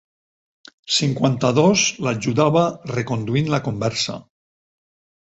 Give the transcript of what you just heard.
Cinquanta-dos l'ajudava reconduint la conversa.